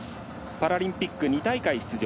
パラリンピック２大会出場。